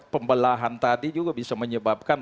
pembelahan tadi juga bisa menyebabkan